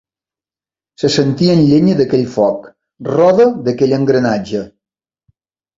Se sentien llenya d'aquell foc; roda d'aquell engranatge;